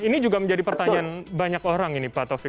ini juga menjadi pertanyaan banyak orang ini pak taufik